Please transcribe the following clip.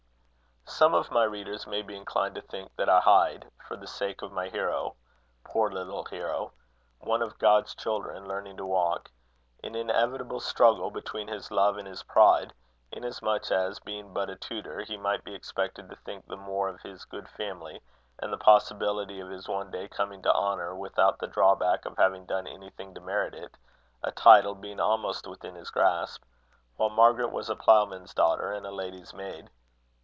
Some of my readers may be inclined to think that I hide, for the sake of my hero poor little hero, one of God's children, learning to walk an inevitable struggle between his love and his pride; inasmuch as, being but a tutor, he might be expected to think the more of his good family, and the possibility of his one day coming to honour without the drawback of having done anything to merit it, a title being almost within his grasp; while Margaret was a ploughman's daughter, and a lady's maid.